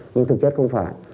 nhưng thực chất không phải